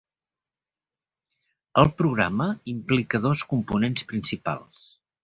El programa implica dos components principals.